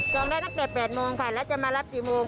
ได้ตั้งแต่๘โมงค่ะแล้วจะมารับกี่โมง